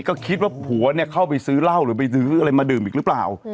ก็คิดว่าผัวเนี่ยเข้าไปซื้อเหล้าหรือไปซื้ออะไรมาดื่มอีกหรือเปล่า